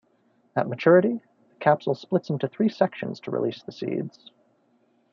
At maturity, the capsule splits into three sections to release the seeds.